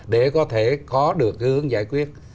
để có thể có được hướng giải quyết